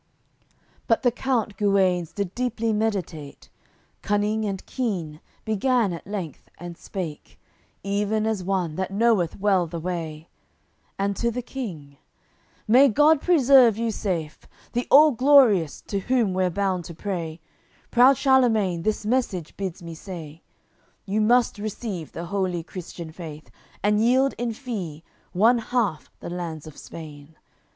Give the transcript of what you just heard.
AOI. XXXIII But the count Guenes did deeply meditate; Cunning and keen began at length, and spake Even as one that knoweth well the way; And to the King: "May God preserve you safe, The All Glorious, to whom we're bound to pray Proud Charlemagne this message bids me say: You must receive the holy Christian Faith, And yield in fee one half the lands of Spain.